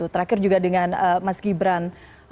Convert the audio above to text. terakhir juga dengan mas gibran